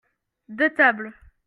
deux tables.